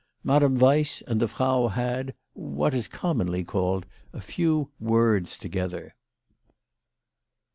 Madame Weiss and the Frau had, what is commonly called, a few words together.